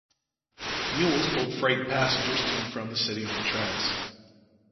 Mules pulled freight and passengers to and from the city on the tracks.